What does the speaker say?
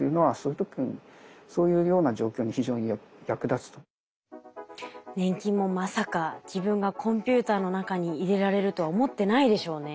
例えば津波が起こった粘菌もまさか自分がコンピューターの中に入れられるとは思ってないでしょうね。